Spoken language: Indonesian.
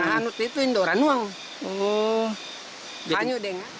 yang hanyut itu indora nuang